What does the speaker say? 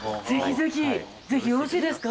ぜひよろしいですか？